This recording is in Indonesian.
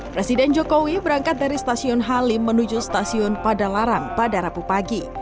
presiden jokowi berangkat dari stasiun halim menuju stasiun padalarang pada rabu pagi